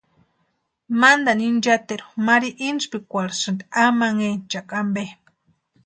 Mantani inchateru Mari intspikwarhisïnti amanhenchakwa ampe.